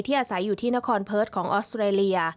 อาศัยอยู่ที่นครเพิร์ตของออสเตรเลีย